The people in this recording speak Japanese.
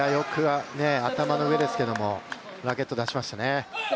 頭の上ですけども、よくラケットを出しましたね。